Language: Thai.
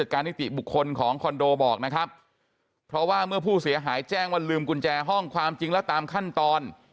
การนิติบุคคลของคอนโดบอกนะครับเพราะว่าเมื่อผู้เสียหายแจ้งว่าลืมกุญแจห้องความจริงแล้วตามขั้นตอน